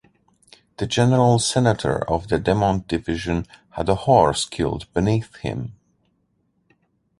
The general senator of the Demont division had a horse killed beneath him.